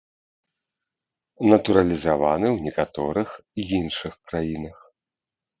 Натуралізаваны ў некаторых іншых краінах.